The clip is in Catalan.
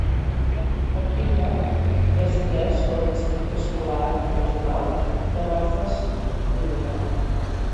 Aquinnah és atès pel districte escolar regional de Martha's Vineyard.